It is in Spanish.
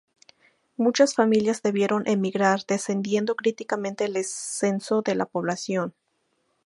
Muchas familias debieron emigrar, descendiendo críticamente el censo de la población.